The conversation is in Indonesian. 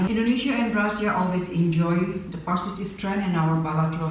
indonesia dan rusia selalu menikmati trend positif dalam hubungan kepalataan